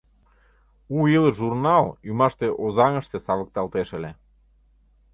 «У илыш» журнал ӱмаште Озаҥыште савыкталтеш ыле.